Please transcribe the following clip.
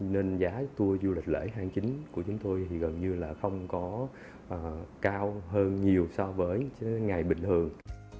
nên giá tour du lịch lễ hàng chính của chúng tôi thì gần như là không có cao hơn nhiều so với ngày bình thường